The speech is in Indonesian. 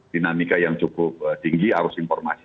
dinamika yang cukup tinggi arus informasi